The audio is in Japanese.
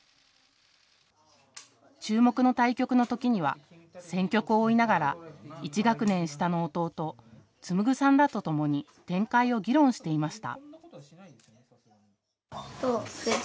注目の対局の時には戦局を追いながら１学年下の弟・紡さんらとともに展開を議論していました。